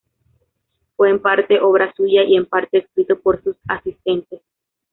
Fue en parte obra suya y en parte escrito por sus asistentes.